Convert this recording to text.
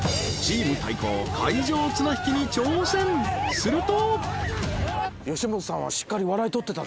［すると］